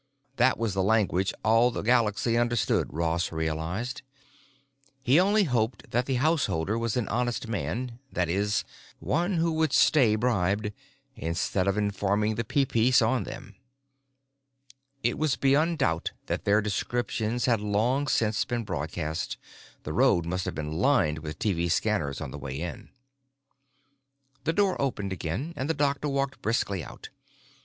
That was the language all the galaxy understood, Ross realized; he only hoped that the householder was an honest man—i. e., one who would stay bribed, instead of informing the Peepeece on them. It was beyond doubt that their descriptions had long since been broadcast; the road must have been lined with TV scanners on the way in. The door opened again, and the doctor walked briskly out.